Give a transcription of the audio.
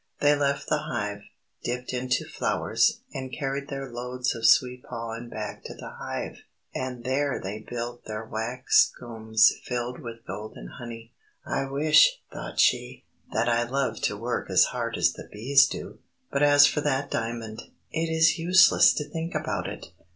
They left the hive, dipped into flowers, and carried their loads of sweet pollen back to the hive, and there they built their wax combs filled with golden honey. "I wish," thought she, "that I loved to work as hard as the bees do! But as for that diamond, it is useless to think about it!